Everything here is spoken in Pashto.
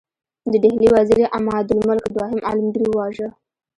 د ډهلي وزیر عمادالملک دوهم عالمګیر وواژه.